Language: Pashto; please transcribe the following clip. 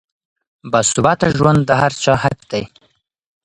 باثباته ژوند د هر چا حق دی.